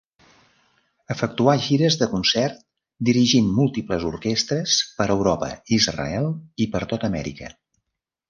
Efectuà gires de concert dirigint múltiples orquestres, per Europa, Israel i per tota Amèrica.